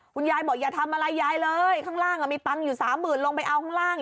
คุณยายบอกอย่าทำอะไรยายเลยข้างล่างมีตังค์อยู่สามหมื่นลงไปเอาข้างล่าง